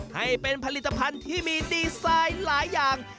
ให้เป็นผลิตภัณฑ์ที่มีดีไซน์หลายอย่าง